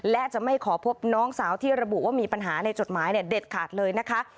และจะไม่ขอพบน้องสาวที่ระบุว่ามีปัญหาในจดหมายเด็ดขาดเลยนะคะ